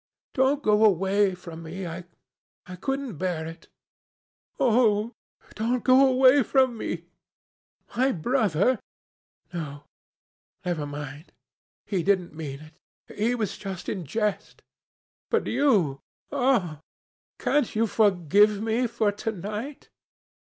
Don't go away from me. I couldn't bear it. Oh! don't go away from me. My brother ... No; never mind. He didn't mean it. He was in jest.... But you, oh! can't you forgive me for to night?